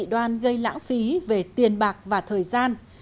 hình thức mê tín dị đoan gây lãng phí về tiền bạc và thời gian